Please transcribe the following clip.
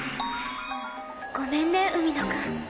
ごめんね海野くん。